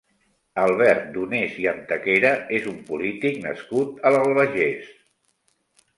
Albert Donés i Antequera és un polític nascut a l'Albagés.